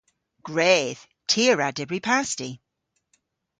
Gwredh. Ty a wra dybri pasti.